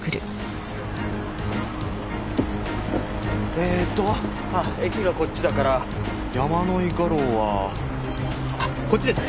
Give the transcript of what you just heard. えっと駅がこっちだから山井画廊はあっこっちですね。